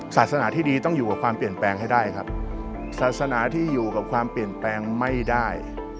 ศาสนาที่ดีต้องอยู่กับความเปลี่ยนแปลงให้ได้ครับศาสนาที่อยู่กับความเปลี่ยนแปลงไม่ได้